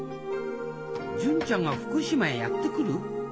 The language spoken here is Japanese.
純ちゃんが福島へやって来る？